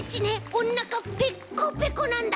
おなかペッコペコなんだ。